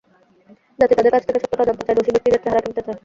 জাতি তাদের কাছ থেকে সত্যটা জানতে চায়, দোষী ব্যক্তিদের চেহারা চিনতে চায়।